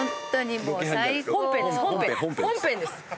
本編です。